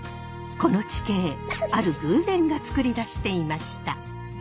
この地形ある偶然がつくり出していました。